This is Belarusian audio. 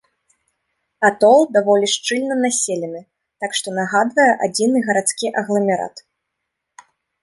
Атол даволі шчыльна населены, так што нагадвае адзіны гарадскі агламерат.